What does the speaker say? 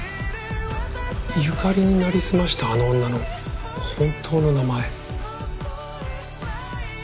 由香里になりすましたあの女の本当の名前。